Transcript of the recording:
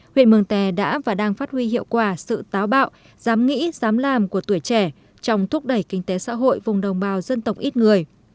huyện mường tè đã và đang phát huy hiệu quả sự táo bạo dám nghĩ dám làm của tuổi trẻ trong thúc đẩy kinh tế xã hội vùng đồng bào dân tộc ít người